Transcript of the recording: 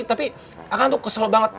tapi aku tuh kesel banget